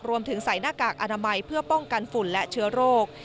ใส่หน้ากากอนามัยเพื่อป้องกันฝุ่นและเชื้อโรค